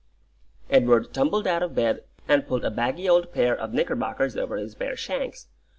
Edward tumbled out of bed, and pulled a baggy old pair of knickerbockers over his bare shanks.